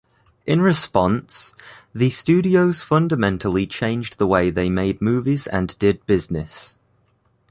In response, the studios fundamentally changed the way they made movies and did business.